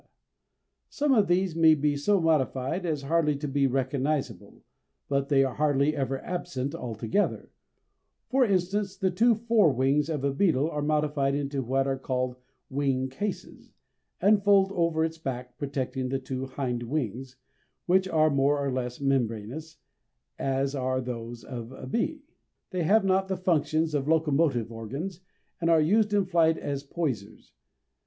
some of these may be so modified as hardly to be recognizable, but they are hardly ever absent altogether; for instance, the two fore wings of a beetle are modified into what are called wing cases, and fold over its back, protecting the two hind wings, which are more or less membranous, as are those of a bee. They have not the functions of locomotive organs, and are used in flight as poisers.